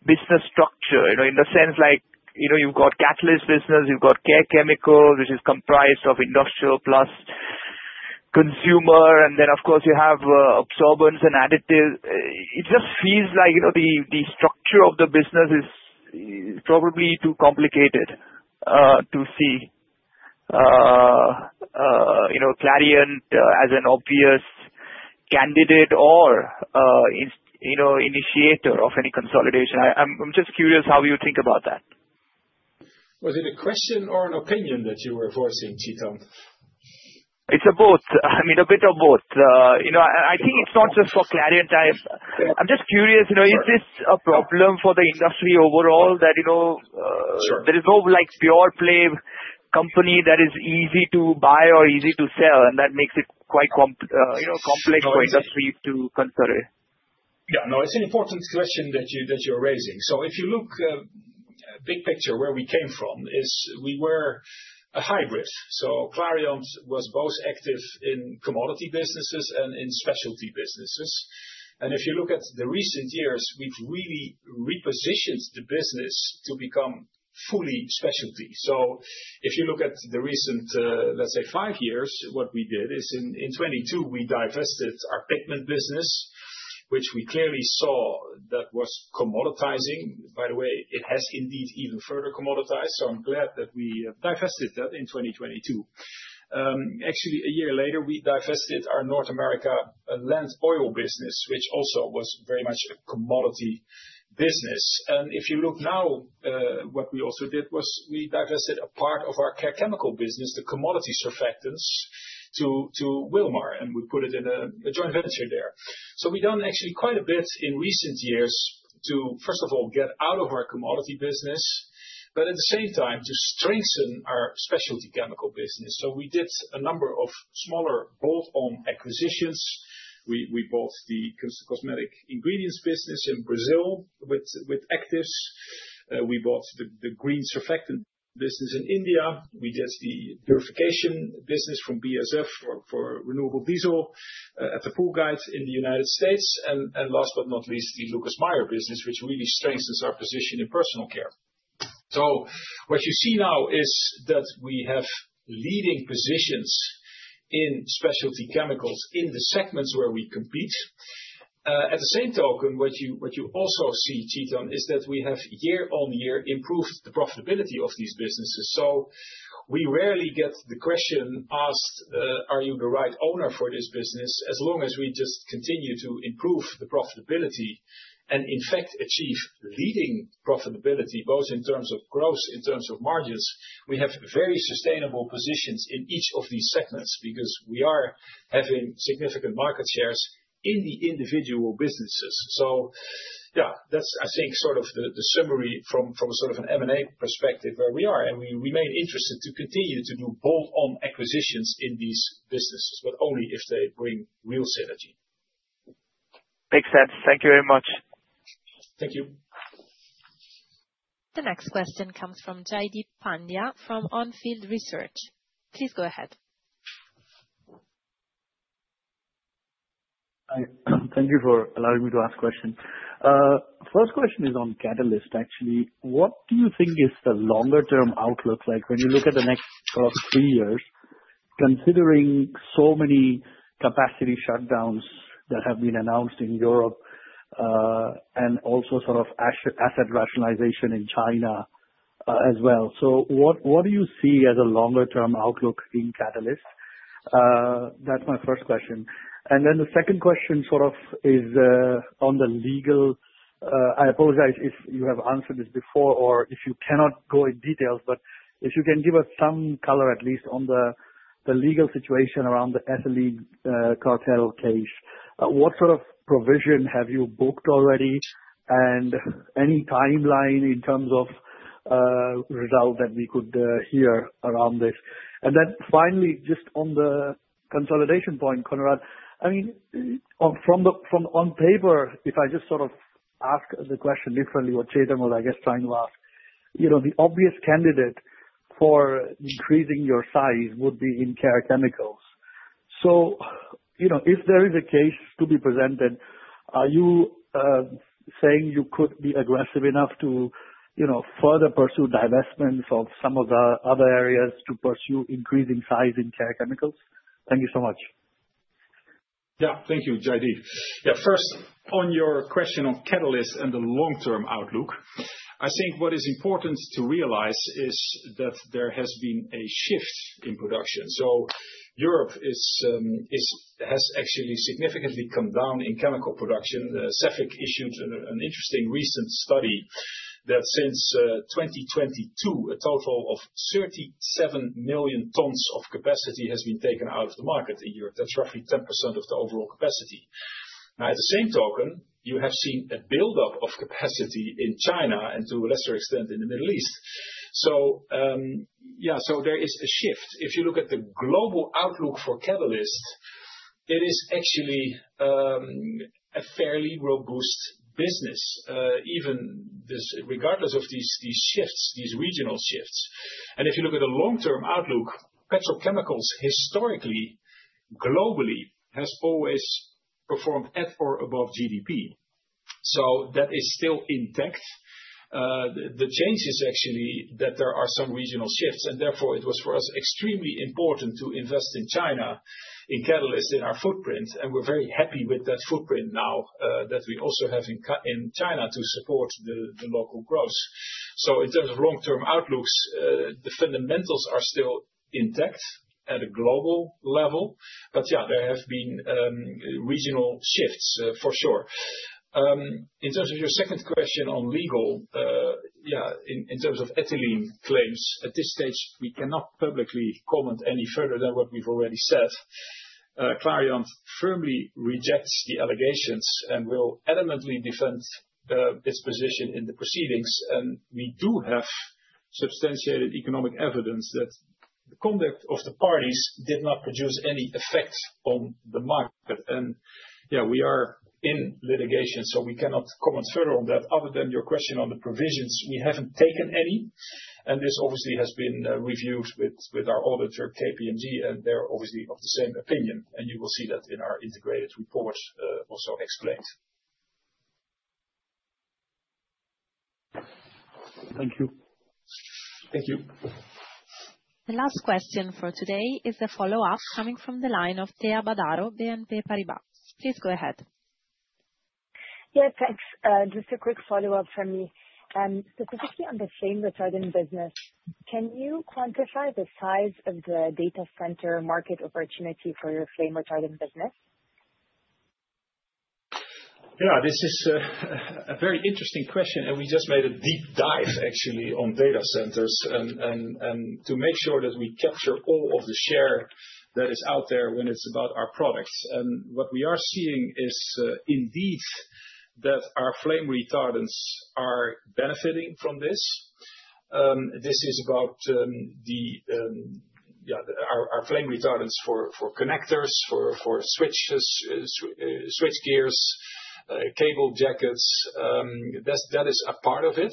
business structure. You know, in the sense like, you know, you've got Catalysts business, you've got Care Chemicals, which is comprised of industrial plus consumer, and then, of course, you have Adsorbents & Additives. It just feels like, you know, the structure of the business is probably too complicated to see, you know, Clariant as an obvious candidate or, you know, initiator of any consolidation. I'm just curious how you think about that? Was it a question or an opinion that you were voicing, Chetan? It's a both. I mean, a bit of both. You know, I think it's not just for Clariant. I'm just curious, you know, is this a problem for the industry overall, that, you know? Sure. There is no, like, pure play company that is easy to buy or easy to sell, and that makes it quite, you know, complex for industry to consider? No, it's an important question that you, that you're raising. If you look big picture, where we came from is we were a hybrid. Clariant was both active in commodity businesses and in specialty businesses. If you look at the recent years, we've really repositioned the business to become fully specialty. If you look at the recent, let's say, five years, what we did is in 2022, we divested our pigment business, which we clearly saw that was commoditizing. By the way, it has indeed even further commoditized, so I'm glad that we divested that in 2022. A year later, we divested our North America Land Oil business, which also was very much a commodity business. If you look now, what we also did was we divested a part of our Care Chemicals business, the commodity surfactants, to Wilmar, and we put it in a joint venture there. We've done actually quite a bit in recent years to, first of all, get out of our commodity business, but at the same time to strengthen our specialty chemical business. We did a number of smaller, bolt-on acquisitions. We bought the cosmetic ingredients business in Brazil with actives. We bought the green surfactant business in India. We did the purification business from BASF for renewable diesel, Attapulgite in the United States, and last but not least, the Lucas Meyer Cosmetics business, which really strengthens our position in personal care. What you see now is that we have leading positions in specialty chemicals in the segments where we compete. At the same token, what you also see, Chetan, is that we have year-on-year improved the profitability of these businesses. We rarely get the question asked, "Are you the right owner for this business?" As long as we just continue to improve the profitability and in fact achieve leading profitability, both in terms of growth, in terms of margins, we have very sustainable positions in each of these segments because we are having significant market shares in the individual businesses. Yeah, that's, I think, sort of the summary from sort of an M&A perspective, where we are, and we remain interested to continue to do bolt-on acquisitions in these businesses, but only if they bring real synergy. Makes sense. Thank you very much. Thank you. The next question comes from Jaideep Pandya from On Field Research. Please go ahead. I, thank you for allowing me to ask question. First question is on Catalyst, actually. What do you think is the longer term outlook like when you look at the next sort of three years, considering so many capacity shutdowns that have been announced in Europe, and also sort of asset rationalization in China, as well? What do you see as a longer term outlook in Catalyst? That's my first question. The second question sort of is I apologize if you have answered this before or if you cannot go in details, but if you can give us some color, at least on the legal situation around the ethylene, cartel case. What sort of provision have you booked already? Any timeline in terms of result that we could hear around this? Finally, just on the consolidation point, Conrad, I mean, from the, from on paper, if I just sort of ask the question differently, what Chetan was, I guess, trying to ask, you know, the obvious candidate for increasing your size would be in Care Chemicals. You know, if there is a case to be presented, are you saying you could be aggressive enough to, you know, further pursue divestments of some of the other areas to pursue increasing size in Care Chemicals? Thank you so much. Yeah. Thank you, Jaideep. Yeah, first, on your question on Catalyst and the long-term outlook, I think what is important to realize is that there has been a shift in production. Europe has actually significantly come down in chemical production. Cefic issued an interesting recent study that since 2022, a total of 37 million tons of capacity has been taken out of the market in Europe. That's roughly 10% of the overall capacity. At the same token, you have seen a buildup of capacity in China and to a lesser extent, in the Middle East. Yeah, so there is a shift. If you look at the global outlook for catalysts, it is actually a fairly robust business, even this, regardless of these shifts, these regional shifts. If you look at the long-term outlook, petrochemicals historically, globally, has always performed at or above GDP. That is still intact. The change is actually that there are some regional shifts, and therefore it was, for us, extremely important to invest in China, in catalysts, in our footprint, and we're very happy with that footprint now that we also have in China to support the local growth. In terms of long-term outlooks, the fundamentals are still intact at a global level, but yeah, there have been regional shifts for sure. In terms of your second question on legal, yeah, in terms of ethylene claims, at this stage, we cannot publicly comment any further than what we've already said. Clariant firmly rejects the allegations and will vehemently defend its position in the proceedings. We do have substantiated economic evidence that the conduct of the parties did not produce any effect on the market. Yeah, we are in litigation, so we cannot comment further on that, other than your question on the provisions, we haven't taken any, and this obviously has been reviewed with our auditor, KPMG, and they're obviously of the same opinion, and you will see that in our integrated report also explained. Thank you. Thank you. The last question for today is a follow-up coming from the line of Thea Badaro, BNP Paribas. Please go ahead. Yeah, thanks. Just a quick follow-up from me. Specifically on the flame retardant business, can you quantify the size of the data center market opportunity for your flame retardant business? Yeah, this is a very interesting question, and we just made a deep dive, actually, on data centers, and to make sure that we capture all of the share that is out there when it's about our products. What we are seeing is, indeed, that our flame retardants are benefiting from this. This is about, the, yeah, our flame retardants for connectors, for switches, switch gears, cable jackets. That is a part of it.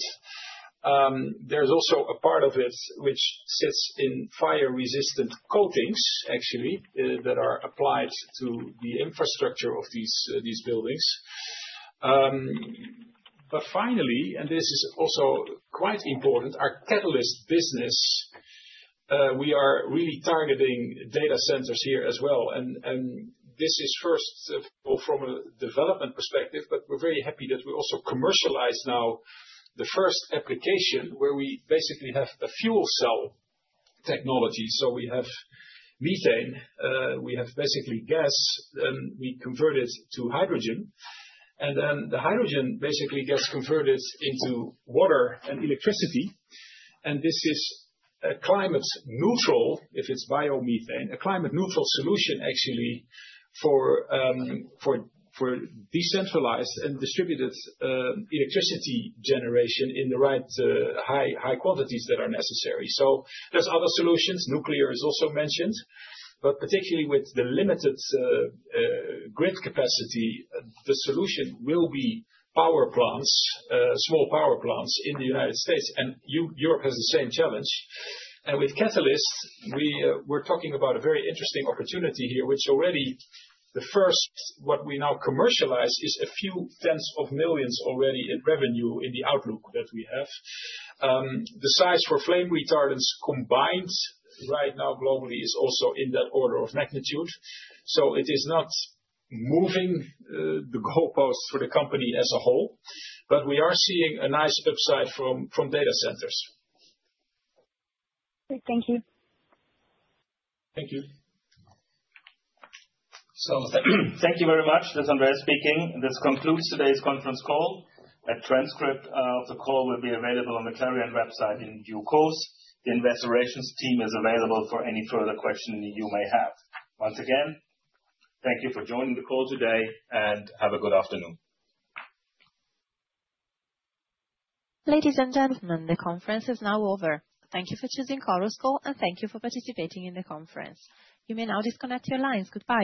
There's also a part of it which sits in fire-resistant coatings, actually, that are applied to the infrastructure of these buildings. Finally, and this is also quite important, our Catalysts business, we are really targeting data centers here as well. This is first from a development perspective, we're very happy that we also commercialize now the first application where we basically have a fuel cell technology. We have methane, we have basically gas, we convert it to hydrogen, the hydrogen basically gets converted into water and electricity. This is a climate neutral, if it's biomethane, a climate neutral solution actually, for decentralized and distributed electricity generation in the right high quantities that are necessary. There's other solutions. Nuclear is also mentioned, particularly with the limited grid capacity, the solution will be power plants, small power plants in the United States, and Europe has the same challenge. With Catalyst, we're talking about a very interesting opportunity here, which already the first, what we now commercialize, is a few tens of millions already in revenue in the outlook that we have. The size for flame retardants combined right now globally is also in that order of magnitude. It is not moving the goalpost for the company as a whole, but we are seeing a nice upside from data centers. Thank you. Thank you. Thank you very much. This is Andreas speaking. This concludes today's conference call. A transcript of the call will be available on the Clariant website in due course. The investor relations team is available for any further questions you may have. Once again, thank you for joining the call today, and have a good afternoon. Ladies and gentlemen, the conference is now over. Thank you for choosing Chorus Call. Thank you for participating in the conference. You may now disconnect your lines. Goodbye.